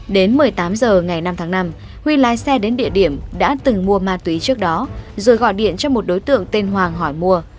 đến một mươi tám h ngày năm tháng năm huy lái xe đến địa điểm đã từng mua ma túy trước đó rồi gọi điện cho một đối tượng tên hoàng hỏi mua